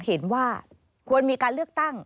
เห็นว่าควรมีการเลือกตั้ง